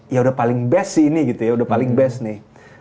ya udah paling best sih ini gitu ya udah paling best nih